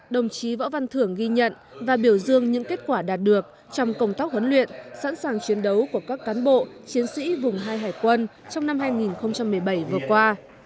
đồng chí võ văn thưởng ghi nhận và biểu dương những kết quả đạt được trong công tác huấn luyện sẵn sàng chiến đấu của các cán bộ chiến sĩ vùng hai hải quân trong năm hai nghìn một mươi bảy vừa qua